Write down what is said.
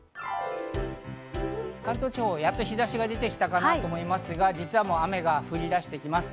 関東地方、やっと日差しが出てきたかなと思いますが、実はもう雨が降り出しています。